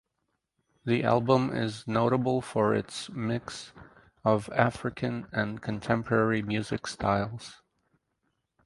The album is notable for its mix of African and contemporary music styles.